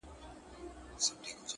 دغه انسان بېشرفي په شرافت کوي _